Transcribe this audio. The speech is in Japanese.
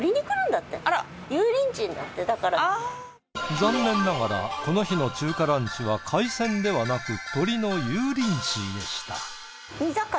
残念ながらこの日の中華ランチは海鮮ではなく鶏の油淋鶏でした。